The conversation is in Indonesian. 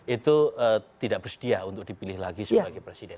itu tidak bersedia untuk dipilih lagi sebagai presiden